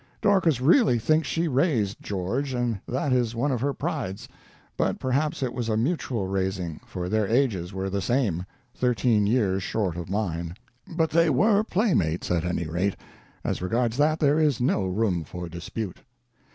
Dorcas really thinks she raised George, and that is one of her prides, but perhaps it was a mutual raising, for their ages were the same—thirteen years short of mine. But they were playmates, at any rate; as regards that, there is no room for dispute.